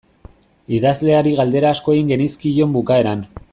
Idazleari galdera asko egin genizkion bukaeran.